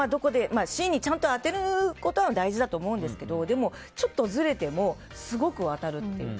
芯にちゃんと当てることは大事だと思うんですけどでもちょっとずれてもすごく飛ぶっていう。